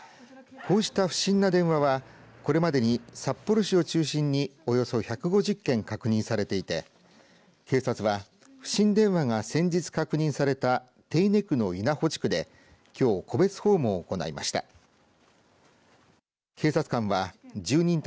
こうした不審な電話はこれまでに札幌市を中心におよそ１５０件確認されていて警察は不審電話が先日確認された手稲区の稲穂地区できょう戸別訪問を行いました。